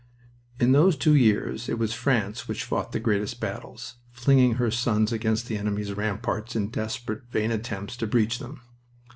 In those two years it was France which fought the greatest battles, flinging her sons against the enemy's ramparts in desperate, vain attempts to breach them.